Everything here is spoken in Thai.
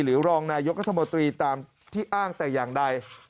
รองนายกรัฐมนตรีตามที่อ้างแต่อย่างใด